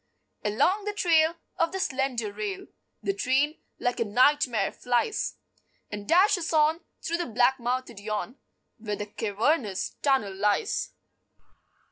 Along the trail Of the slender rail The train, like a nightmare, flies And dashes on Through the black mouthed yawn Where the cavernous tunnel lies.